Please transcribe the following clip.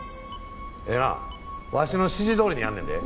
ええなわしの指示どおりにやんねんで。